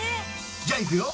じゃあいくよ。